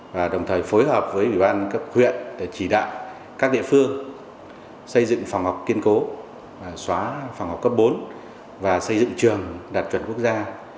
và đồng thời phối hợp với ủy ban cấp huyện để chỉ đạo các địa phương xây dựng phòng học kiên cố xóa phòng học cấp bốn và xây dựng trường đạt chuẩn quốc gia